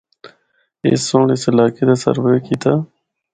اُس سنڑ اس علاقے دا سروے کیتا۔